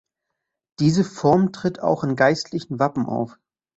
Diese Form tritt auch in geistlichen Wappen auf.